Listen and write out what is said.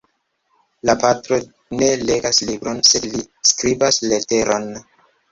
La patro ne legas libron, sed li skribas leteron.